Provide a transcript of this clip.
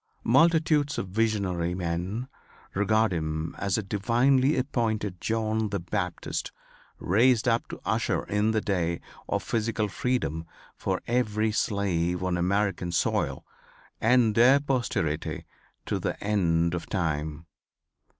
Multitudes of visionary men regard him as a divinely appointed John the Baptist raised up to usher in the day of physical freedom for every slave on American soil and their posterity to the end of time.